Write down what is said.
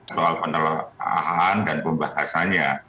soal penelahan dan pembahasannya